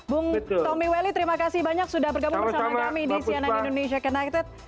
bung tommy welly terima kasih banyak sudah bergabung bersama kami di cnn indonesia connected